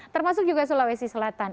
termasuk juga sulawesi selatan